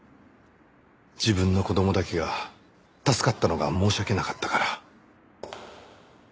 自分の子供だけが助かったのが申し訳なかったから。